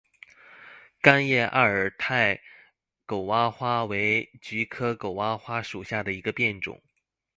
千叶阿尔泰狗娃花为菊科狗哇花属下的一个变种。